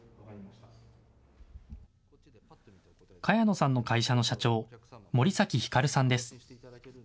茅野さんの会社の社長、森崎光さんです。